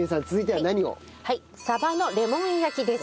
はいサバのレモン焼きです。